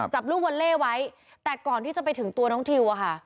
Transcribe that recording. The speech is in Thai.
จับลูกวอลเล่ไว้แต่ก่อนที่จะไปถึงตัวน้องทิวอะค่ะ